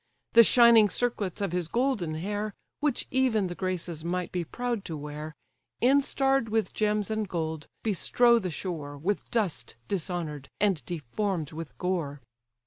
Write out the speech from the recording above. The shining circlets of his golden hair, Which even the Graces might be proud to wear, Instarr'd with gems and gold, bestrow the shore, With dust dishonour'd, and deform'd with gore.